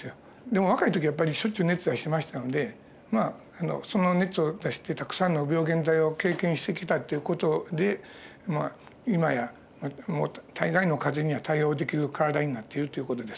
でも若い時はやっぱりしょっちゅう熱出してましたんでその熱を出してたくさんの病原体を経験してきたっていう事でまあ今や大概の風邪には対応できる体になってるという事ですね。